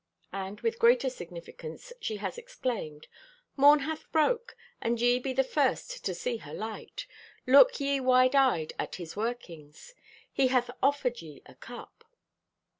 And with greater significance she has exclaimed: "Morn hath broke, and ye be the first to see her light. Look ye wide eyed at His workings. He hath offered ye a cup."